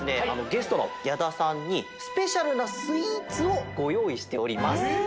ゲストの矢田さんにスペシャルなスイーツをごよういしております。